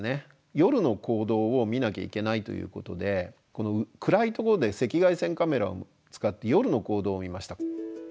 夜の行動を見なきゃいけないということで暗いところで赤外線カメラを使って夜の行動を見ました。